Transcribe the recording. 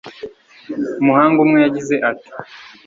Umuhanga umwe yagize ati